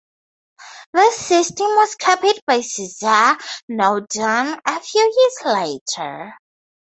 This system was copied by Sizaire-Naudin a few years later.